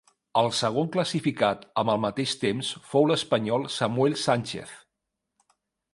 El segon classificat, amb el mateix temps, fou l'espanyol Samuel Sánchez.